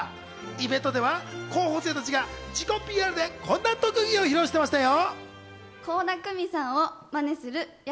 イベントでは候補生たちが自己ＰＲで、こんな特技を披露していましたよ。